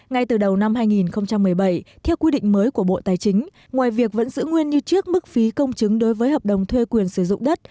ngoài việc vẫn giữ nguyên như trước mức phí công chứng đối với hợp đồng thuê quyền sử dụng đất